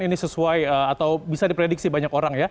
ini sesuai atau bisa diprediksi banyak orang ya